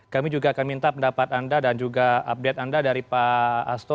kami juga akan minta pendapat anda dan juga update anda dari pak asto